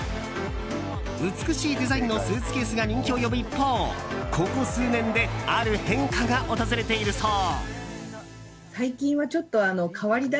美しいデザインのスーツケースが人気を呼ぶ一方ここ数年である変化が訪れているそう。